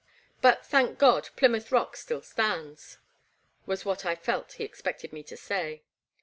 But, thank God, Plymouth Rock still stands !'' was what I felt he expected me to say.